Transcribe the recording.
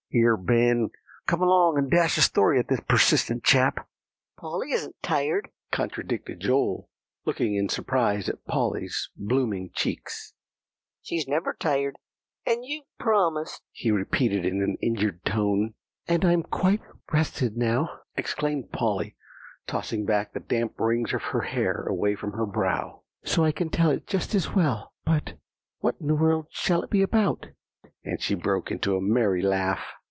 "Here, Ben, come along, and dash a story at this persistent chap." "Polly isn't tired," contradicted Joel, looking in surprise at Polly's blooming cheeks. "She's never tired; and you've promised," he repeated in an injured tone. "And I'm quite rested now," exclaimed Polly, tossing back the damp rings of hair away from her brow, "so I can tell it just as well. But what in the world shall it be about?" and she broke into a merry laugh.